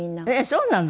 そうなの？